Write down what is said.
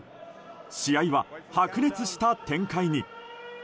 試合は白熱した展開に。